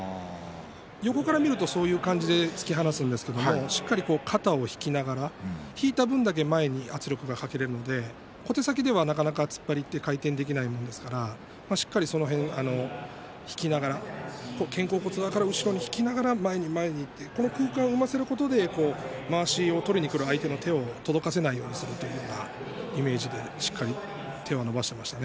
横から見ると突き放すんですけれどもしっかりと肩を引きながら引いた分だけ前に圧力がかけられるので小手先だけでは、なかなか回転がかけられないのでしっかりと引きながら肩甲骨側から引きながら前に前にいって空間を生ませることでまわしを取りにくる相手の手を届かそうないようにするイメージでしっかりと手を伸ばしていましたね。